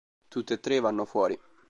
Tutti e tre vanno fuori.